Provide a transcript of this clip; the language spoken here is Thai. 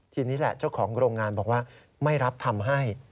ทีนี้แหละเจ้าของโรงงานบอกว่าไม่รับทำให้